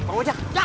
bangun ya bangun ya